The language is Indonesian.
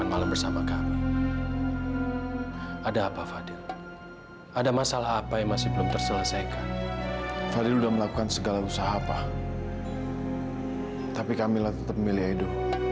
tapi kamila tetap milih edo